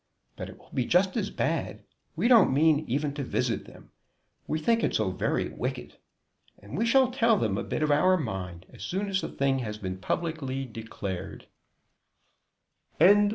But it will be just as bad. We don't mean even to visit them; we think it so very wicked. And we shall tell them a bit of our mind as soon as the thing has been publicly declared."